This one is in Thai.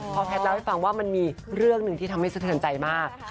พอแพทย์เล่าให้ฟังว่ามันมีเรื่องหนึ่งที่ทำให้สะเทือนใจมาก